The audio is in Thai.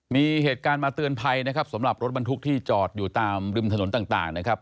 มีเหตุการณ์มาเตือนภัยนะครับสำหรับรถบรรทุกที่จอดอยู่ตามริมถนนต่างนะครับ